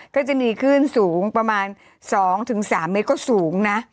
ก็จะมีคลื่นสูงประมาณ๒๓เมตรก็สูงนะ